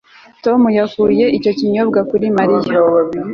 Tom yakuye icyo kinyobwa kuri Mariya